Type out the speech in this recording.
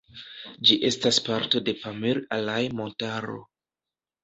Ĝi estas parto de Pamir-Alaj-Montaro.